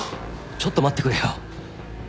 ちょっと待ってくれよ。